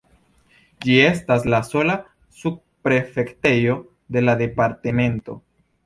Ĝi estas la sola subprefektejo de la departemento.